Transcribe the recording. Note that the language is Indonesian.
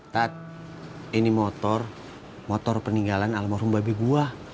tat ini motor motor peninggalan alam rumah babi gue